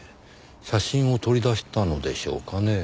写真を取り出したのでしょうかね？